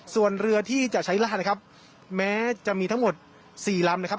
ส่วนเรือที่จะใช้ลาดนะครับแม้จะมีทั้งหมด๔ลำนะครับ